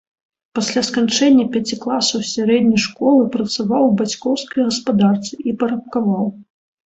Пасля сканчэння пяці класаў сярэдняй школы працаваў у бацькаўскай гаспадарцы і парабкаваў.